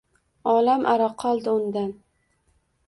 Olam aro qoldi undan